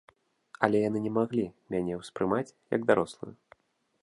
Але яны не маглі мяне ўспрымаць, як дарослую.